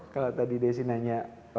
kalau tadi desi nanya